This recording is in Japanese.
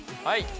はい！